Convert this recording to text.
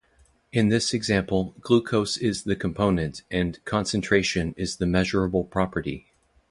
In this example "glucose" is the component and "concentration" is the measurable property.